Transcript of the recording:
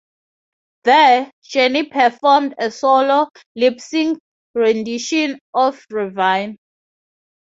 There, Jenny performed a solo, lip-synced rendition of "Ravine".